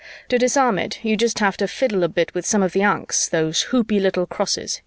To disarm it, you just have to fiddle a bit with some of the ankhs, those hoopy little crosses.